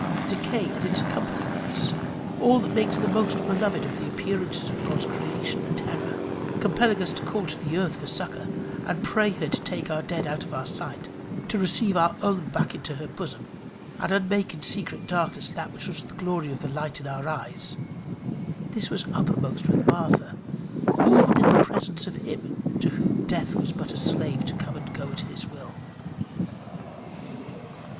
Decay and its accompaniments, all that makes the most beloved of the appearances of God's creation a terror, compelling us to call to the earth for succour, and pray her to take our dead out of our sight, to receive her own back into her bosom, and unmake in secret darkness that which was the glory of the light in our eyes this was upper most with Martha, even in the presence of him to whom Death was but a slave to come and go at his will.